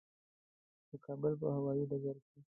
د کابل په هوایي ډګر کې.